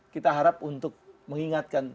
kita harap untuk mengingatkan